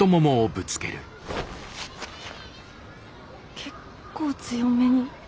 結構強めに。